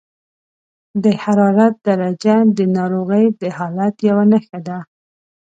د حرارت درجه د ناروغۍ د حالت یوه نښه ده.